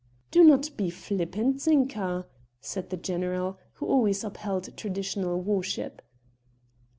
"Do not be flippant, Zinka," said the general, who always upheld traditional worship.